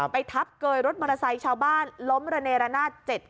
ไปทับเกยรถมอเตอร์ไซค์ชาวบ้านล้มระเนรนาศ๗คัน